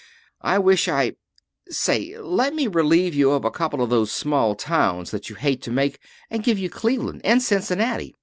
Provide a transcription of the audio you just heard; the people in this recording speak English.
I wish I Say, let me relieve you of a couple of those small towns that you hate to make, and give you Cleveland and Cincinnati.